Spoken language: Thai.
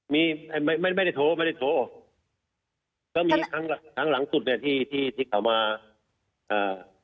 มีไม่ไม่ไม่ได้โทรไม่ได้โทรก็มีครั้งครั้งหลังสุดเนี้ยที่ที่ที่เขามาอ่า